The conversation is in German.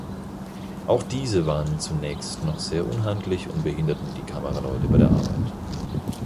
Auch diese waren zunächst noch sehr unhandlich und behinderten die Kameraleute bei der Arbeit.